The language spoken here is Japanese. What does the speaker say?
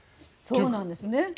そうなんですね。